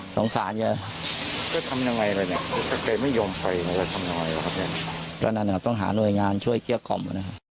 ตอนนั้นต้องหาหน่วยงานช่วยเกียรติกล่อง